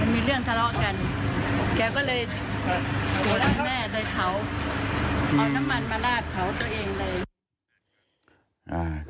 มีเรื่องทะเลาะกันแกก็เลยหัวแม่ไปเผาเอาน้ำมันมาลาดเผาตัวเองเลย